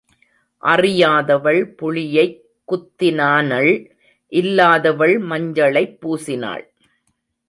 அறியாதவள் புளியைக் குத்தினானள், இல்லாதவள் மஞ்சளைப் பூசினாள்.